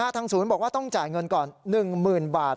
ทางศูนย์บอกว่าต้องจ่ายเงินก่อน๑๐๐๐บาท